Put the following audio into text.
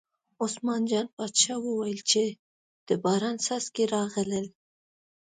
عثمان جان باچا وویل چې د باران څاڅکي راغلل.